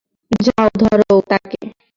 যাও, ধরো তাকে।